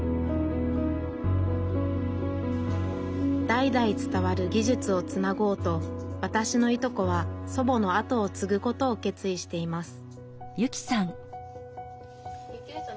代々伝わる技術をつなごうとわたしのいとこは祖母の後を継ぐことを決意しています